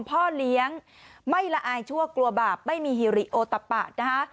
พ่อเลี้ยงไม่ละอายชั่วกลัวบาปไม่มีฮิริโอตะปะนะคะ